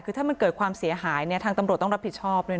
คือถ้ามันเกิดความเสียหายทางตำรวจต้องรับผิดชอบด้วยนะ